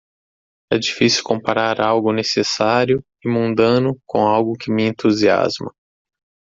É difícil comparar algo necessário e mundano com algo que me entusiasma.